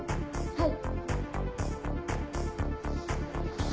はい。